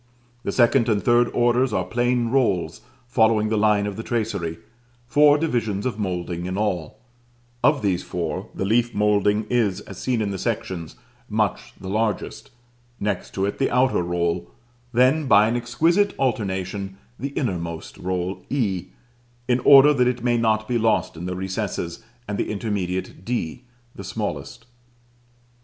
The second and third orders are plain rolls following the line of the tracery; four divisions of moulding in all: of these four, the leaf moulding is, as seen in the sections, much the largest; next to it the outer roll; then, by an exquisite alternation, the innermost roll (e), in order that it may not be lost in the recess and the intermediate (d), the smallest.